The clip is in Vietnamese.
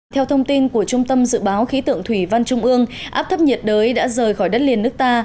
theo thông tin của trung tâm dự báo khí tượng thủy văn trung ương áp thấp nhiệt đới đã rời khỏi đất liền nước ta